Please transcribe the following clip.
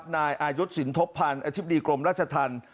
นายอายุสินทบพันธ์อธิบดีกรมราชธรรม